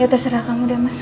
ya terserah kamu deh mas